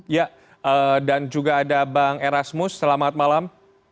ya dan juga ada bang erasmus selamat malam